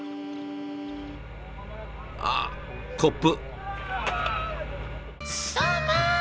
あっコップ。